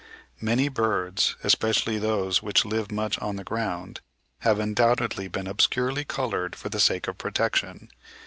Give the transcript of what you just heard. Many birds, especially those which live much on the ground, have undoubtedly been obscurely coloured for the sake of protection.